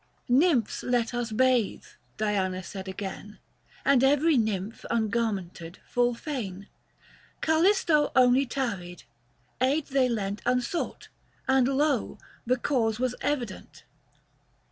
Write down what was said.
Nymphs let us bathe," Diana said again ; And every nymph ungarmented full fain. 170 Callisto only tarried ; aid they lent Unsought, audio ! the cause was evident.